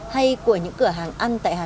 hay của những cửa hàng ăn tại quán